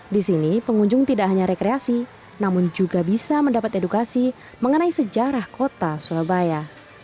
di sini pengunjung tidak hanya rekreasi namun juga bisa mendapat edukasi mengenai sejarah kota surabaya